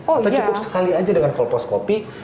atau cukup sekali aja dengan kolposcopy